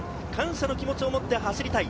感謝の気持ちを持って走りたい。